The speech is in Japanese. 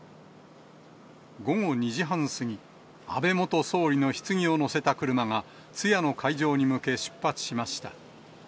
午後２時半過ぎ、安倍元総理のひつぎを乗せた車が、通夜の会場に向け出発しました。